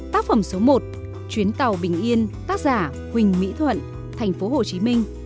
tác phẩm số một chuyến tàu bình yên tác giả huỳnh mỹ thuận tp hcm